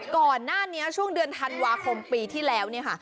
ก่อนหน้านี้ช่วงเดือนธันวาคมที่แล้ว